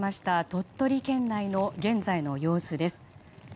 鳥取県内の現在の様子です。